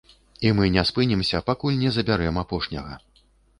І мы не спынімся, пакуль не забярэм апошняга.